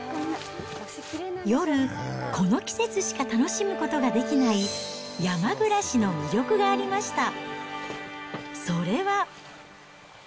夜、この季節しか楽しむことができない山暮らしの魅力がありました。